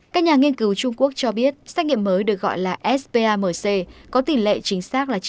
các nhà nghiên cứu trung quốc cho biết xét nghiệm mới được gọi là spamc có tỷ lệ chính xác là chín mươi bốn hai